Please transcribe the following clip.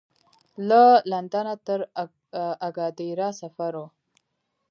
له لندنه تر اګادیره سفر و.